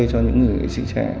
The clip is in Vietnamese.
cho những người nghệ sĩ trẻ